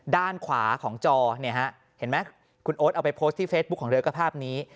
ด้านขวาของจอเนี่ยฮะเห็นไหมคุณโอ๊ตเอาไปโพสต์ที่เฟซบุ๊คของเรือก็ภาพนี้